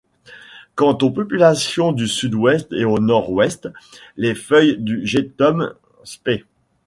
Quant aux populations du Sud-Ouest et du Nord-Ouest, les feuilles de Gnetum sp.